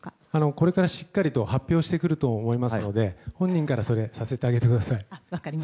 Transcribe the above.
これからしっかりと発表してくると思いますので本人からさせてあげてください。